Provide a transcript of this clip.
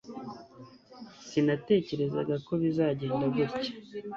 Sinatekerezaga ko bizagenda gutya